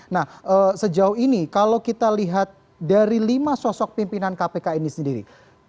nah sejauh ini kalau kita lihat dari lima sosok pimpinan kpk ini sendiri